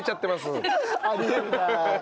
あり得るなあ。